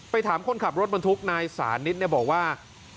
ถามคนขับรถบรรทุกนายสานิทบอกว่า